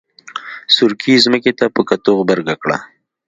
سورکي ځمکې ته په کتو غبرګه کړه.